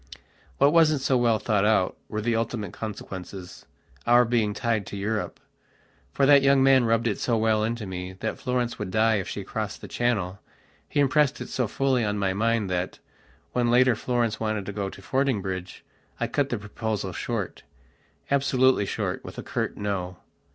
What wasn't so well thought out were the ultimate consequencesour being tied to Europe. For that young man rubbed it so well into me that Florence would die if she crossed the Channelhe impressed it so fully on my mind that, when later Florence wanted to go to Fordingbridge, I cut the proposal shortabsolutely short, with a curt no.